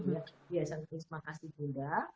di yayasan bisma kasih bunda